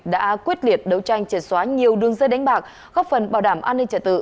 đã quyết liệt đấu tranh triệt xóa nhiều đường dây đánh bạc góp phần bảo đảm an ninh trả tự